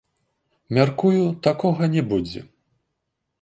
Мяркую, такога не будзе.